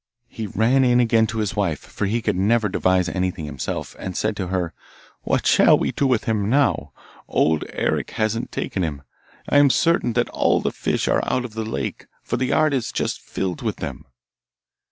He ran in again to his wife, for he could never devise anything himself, and said to her, 'What shall we do with him now? Old Eric hasn't taken him. I am certain that all the fish are out of the lake, for the yard is just filled with them.